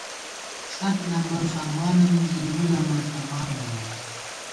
ست لمبر فرمانہ منزی نُولمبر فرمانہ منوت